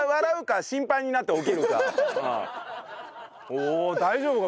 おお大丈夫か？